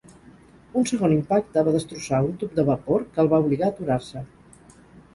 Un segon impacte va destrossar un tub de vapor, que el va obligar a aturar-se.